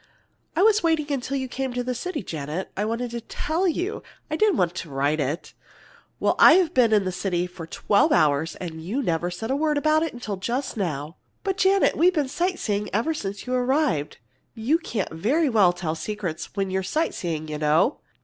"I was waiting till you came to the city, Janet. I wanted to tell you; I didn't want to write it." "Well, I've been in the city twelve hours, and you never said a word about it till just now." "But, Janet, we've been sight seeing ever since you arrived. You can't very well tell secrets when you're sight seeing, you know!"